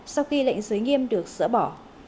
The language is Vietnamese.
sau khi lệnh giới nghiêm được sỡ bỏ